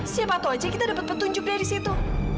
siapa tau aja kita dapet petunjuk dari situ